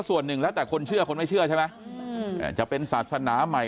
ส่วนหนึ่งแล้วแต่คนเชื่อคนไม่เชื่อใช่ไหมจะเป็นศาสนาใหม่